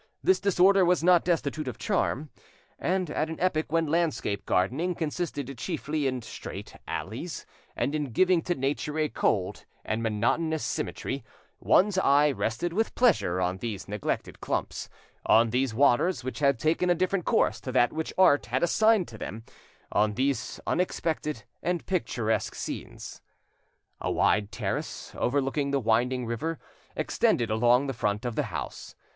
This disorder was not destitute of charm, and at an epoch when landscape gardening consisted chiefly in straight alleys, and in giving to nature a cold and monotonous symmetry, one's eye rested with pleasure on these neglected clumps, on these waters which had taken a different course to that which art had assigned to them, on these unexpected and picturesque scenes. A wide terrace, overlooking the winding river, extended along the front of the house.